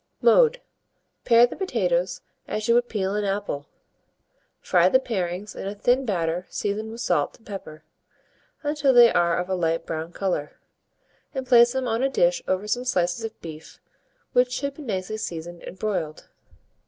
Mode. Pare the potatoes as you would peel an apple; fry the parings in a thin batter seasoned with salt and pepper, until they are of a light brown colour, and place them on a dish over some slices of beef, which should be nicely seasoned and broiled.